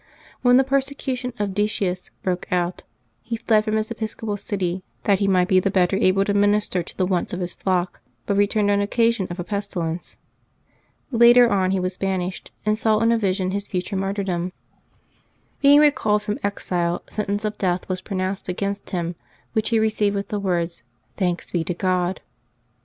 When the persecution of Decius broke out, he fled from his episcopal city, that he might be the better able to minister to the wants of his flock, but returned on occasion of a pestilence. Later on he was banished, and saw in a vision his future martyr 316 LIVES OF THE SAINTS [Septembhb 17 dom. Being recalled from exile, sentence of death was pronounced against him, which he received with the words " Thanks be to God."